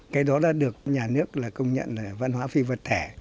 cái đó đã được nhà nước là công nhận là văn hóa phi vật thể